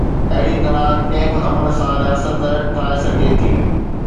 اهڙيءَ طرح ڪنهن به عمل سان رياست ٺاهي سگهجي ٿي